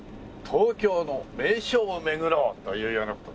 東京の名所を巡ろうというような事で。